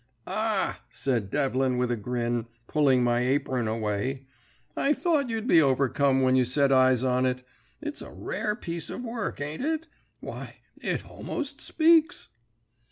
"'Ah,' said Devlin with a grin, pulling my apern away, 'I thought you'd be overcome when you set eyes on it. It's a rare piece of work, ain't it? Why, it almost speaks!'